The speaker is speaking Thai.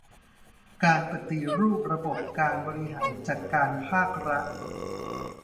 การปฏิรูประบบการบริหารจัดการภาครัฐ